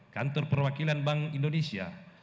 kantor perwakilan bank indonesia